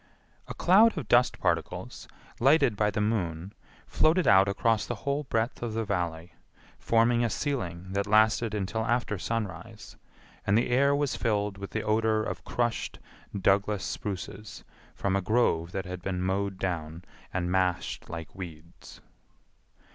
A cloud of dust particles, lighted by the moon, floated out across the whole breadth of the Valley, forming a ceiling that lasted until after sunrise, and the air was filled with the odor of crushed Douglas spruces from a grove that had been mowed down and mashed like weeds.